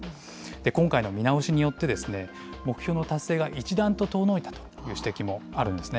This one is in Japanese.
今回の見直しによって、目標の達成が一段と遠のいたという指摘もあるんですね。